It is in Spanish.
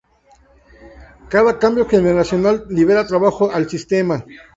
Cada cambio generacional libera trabajo al sistema.